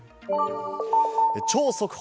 超速報！